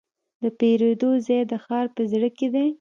د پیرود ځای د ښار په زړه کې دی.